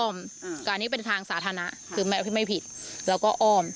อ้อมก็อันนี้เป็นทางสาธารณะคือไม่ผิดแล้วก็อ้อม